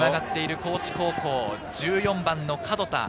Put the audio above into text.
高知高校１４番・角田。